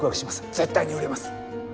絶対に売れます！